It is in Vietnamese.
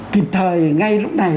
kịp thời ngay lúc này